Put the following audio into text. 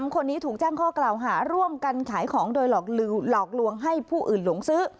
คนนี้ถูกแจ้งข้อกล่าวหาร่วมกันขายของโดยหลอกลวงให้ผู้อื่นหลงซื้อ